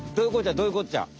どういうこっちゃ？